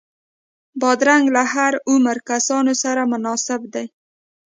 بادرنګ له هر عمره کسانو سره مناسب دی.